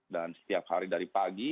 dan setiap hari dari pagi